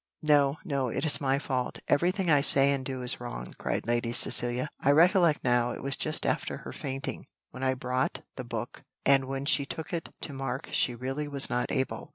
"No, no, it is my fault; every thing I say and do is wrong," cried Lady Cecilia. "I recollect now it was just after her fainting, when I brought the book, and when she took it to mark she really was not able.